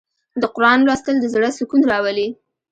د قرآن لوستل د زړه سکون راولي.